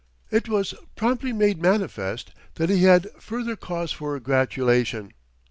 It was promptly made manifest that he had further cause for gratulation.